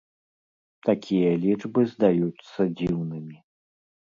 Такія лічбы здаюцца дзіўнымі.